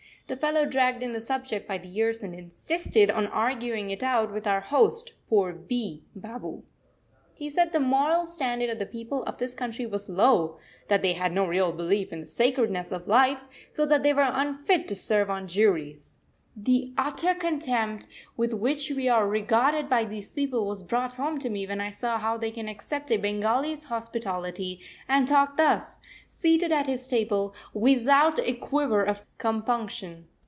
The fellow dragged in the subject by the ears and insisted on arguing it out with our host, poor B Babu. He said the moral standard of the people of this country was low; that they had no real belief in the sacredness of life; so that they were unfit to serve on juries. The utter contempt with which we are regarded by these people was brought home to me when I saw how they can accept a Bengali's hospitality and talk thus, seated at his table, without a quiver of compunction.